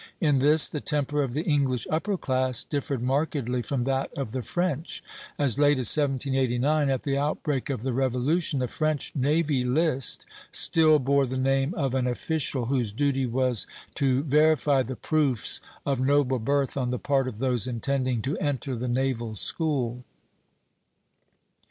In this the temper of the English upper class differed markedly from that of the French. As late as 1789, at the outbreak of the Revolution, the French Navy List still bore the name of an official whose duty was to verify the proofs of noble birth on the part of those intending to enter the naval school.